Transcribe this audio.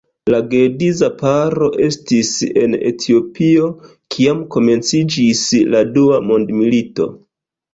La geedza paro estis en Etiopio, kiam komenciĝis la dua mondmilito.